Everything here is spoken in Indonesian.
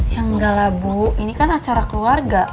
ya enggak lah bu ini kan acara keluarga